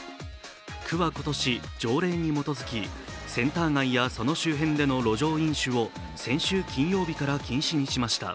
区は今年、条例に基づきセンター街やその周辺での路上飲酒を先週金曜日から禁止にしました。